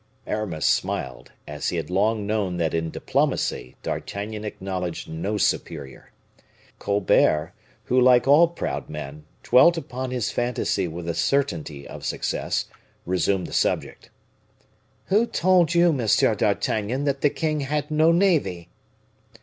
Aramis smiled, as he had long known that in diplomacy D'Artagnan acknowledged no superior. Colbert, who, like all proud men, dwelt upon his fantasy with a certainty of success, resumed the subject, "Who told you, M. d'Artagnan, that the king had no navy?"